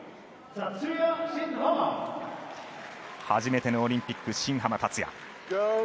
初めてのオリンピック新濱立也。